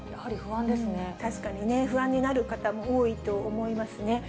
確かにね、不安になる方も多いと思いますね。